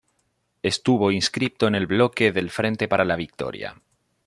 Estuvo inscripto en el bloque del Frente para la Victoria.